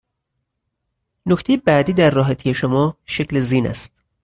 نکته بعدی در راحتی شما، شکل زین است.